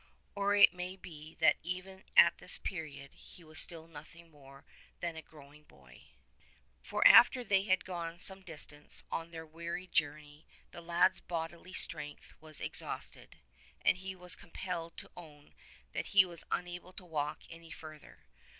Or it may be that even at this period he was still nothing more 59 than a growing' boy ; for after they had gone some distance on their weary journey, the lad's bodily strength was ex hausted, and he was compelled to own that he was unable to walk any further.